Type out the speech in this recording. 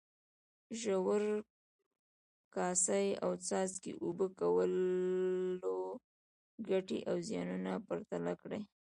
ژور، کاسه یي او څاڅکي اوبه کولو ګټې او زیانونه پرتله کړئ.